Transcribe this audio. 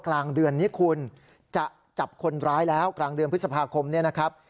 กลางเดือนนี้คุณจะจับคนร้ายแล้วกลางเดือนพฤษภาคมเนี่ยนะครับ